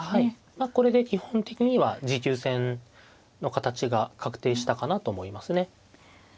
まあこれで基本的には持久戦の形が確定したかなと思いますね。